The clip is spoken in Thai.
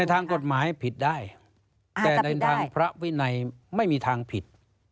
ทางกฎหมายผิดได้แต่ในทางพระวินัยไม่มีทางผิด